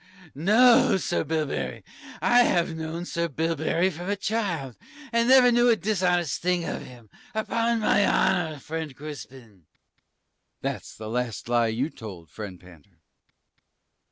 Pand. No, Sir Bilberry. I have known Sir Bilberry from a child, and never knew a dishonest thing of him, upon my honour, friend Crispin. Cris. That's the last lie you told, Friend Pander.